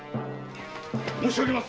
申しあげます。